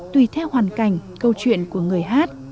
tùy theo hoàn cảnh câu chuyện của người hát